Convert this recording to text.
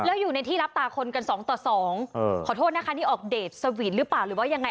แล้วอยู่ในที่รับตาคนกันสองต่อสองขอโทษนะคะนี่ออกเดทสวีทหรือเปล่าหรือว่ายังไง